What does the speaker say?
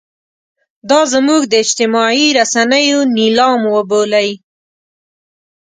دا زموږ د اجتماعي رسنیو نیلام وبولئ.